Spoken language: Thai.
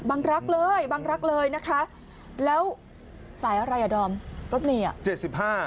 รักเลยบังรักเลยนะคะแล้วสายอะไรอ่ะดอมรถเมย์อ่ะเจ็ดสิบห้า